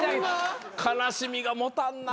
悲しみが持たんな。